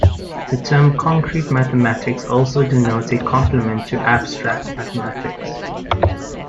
The term "concrete mathematics" also denotes a complement to "abstract mathematics".